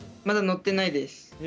まだ乗ってないです。